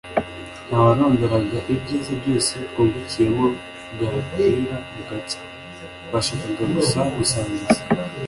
nta warondora ibyiza byose twungukiyemo bwakwira bugacya, twashakaga gusa gusangiza